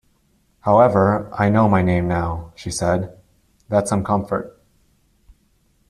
‘However, I know my name now.’ she said, ‘that’s some comfort’.